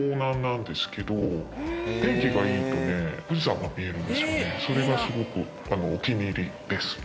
ここでそれがすごくお気に入りです。